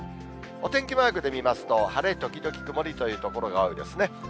お天気マークで見ますと、晴れ時々曇りという所が多いですね。